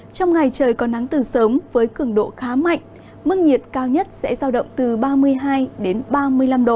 trong ngày trời có nắng từ sớm với cường độ khá mạnh mức nhiệt cao nhất sẽ giao động từ ba mươi hai ba mươi năm độ